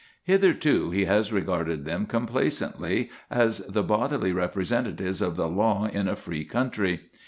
Hitherto he has regarded them complacently as the bodily representatives of the law in a free country.